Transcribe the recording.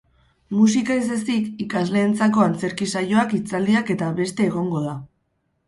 Musika ez ezik, ikasleentzako antzerki saioak, hitzaldiak eta beste egongo da.